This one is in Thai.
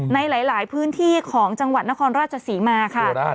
ในหลายพื้นที่ของจังหวัดนครราชศรีมาค่ะ